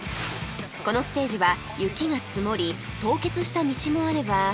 このステージは雪が積もり凍結した道もあれば